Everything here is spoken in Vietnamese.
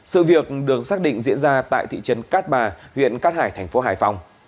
sự việc được xác định diễn ra tại thị trấn cát bà huyện cát hải thành phố hải phòng